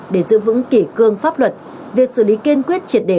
để giữ vững kỷ cương pháp luật việc xử lý kiên quyết triệt đề